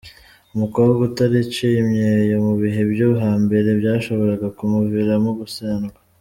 Umukobwa utaraciye imyeyo mu bihe byo hambere byashoboraga kumuviramo gusendwa.